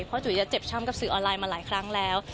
เพราะจุ๋ยจะเจ็บช้ำกับสื่อออนไลน์มาหลายครั้งแล้ว